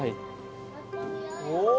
お。